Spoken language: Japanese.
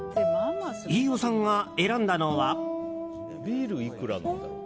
飯尾さんが選んだのは。